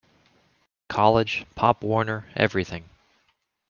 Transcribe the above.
College, Pop Warner, everything.